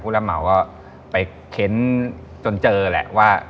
รับเหมาก็ไปเค้นจนเจอแหละว่า